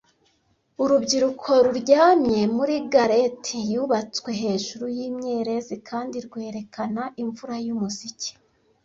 Urubyiruko ruryamye muri garret yubatswe hejuru y imyerezi kandi rwerekana imvura yumuziki,